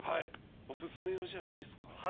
おすすめをじゃあいいっすか？